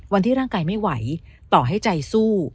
วันที่ร่างกายไม่ไหวต่อให้ใจสู้